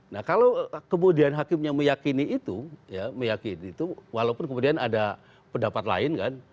nah kalau kemudian hakimnya meyakini itu ya meyakini itu walaupun kemudian ada pendapat lain kan